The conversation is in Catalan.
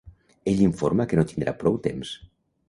Ell informa que no tindrà prou temps.